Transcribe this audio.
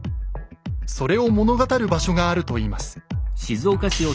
それを物語る場所があるといいます。